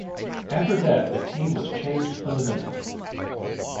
After that, the team was changed fundamentally.